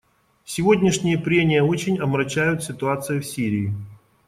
Сегодняшние прения очень омрачает ситуация в Сирии.